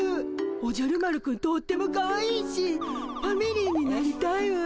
おじゃる丸くんとってもかわいいしファミリーになりたいわ。